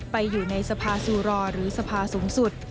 ไปอยู่ในสภาซูรอหรือสภาสูงสุด